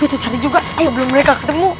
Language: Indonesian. aku tuh cantik juga sebelum mereka ketemu